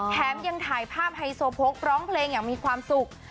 แถมยังถ่ายภาพไฮโซโพกร้องเพลงอย่างมีความสุข